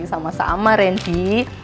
sama sama ren di